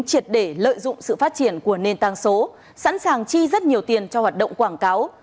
triệt để lợi dụng sự phát triển của nền tăng số sẵn sàng chi rất nhiều tiền cho hoạt động quảng cáo